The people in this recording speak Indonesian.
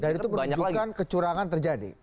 dan itu menunjukkan kecurangan terjadi